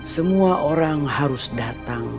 semua orang harus datang